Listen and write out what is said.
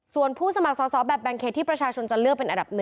ส่วนผู้สมัครสอบแบบแบ่งเขตที่ประชาชนจะเลือกเป็นอันดับ๑